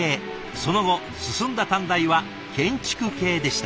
その後進んだ短大は建築系でした。